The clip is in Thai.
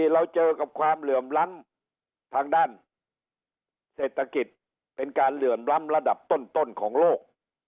เราเจอกับความเหลื่อมล้ำทางด้านเศรษฐกิจเป็นการเหลื่อมล้ำระดับต้นของโลก